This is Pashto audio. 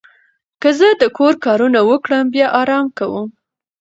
که زه د کور کارونه وکړم، بیا آرام کوم.